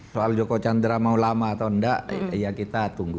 soal joko chandra mau lama atau enggak ya kita tunggu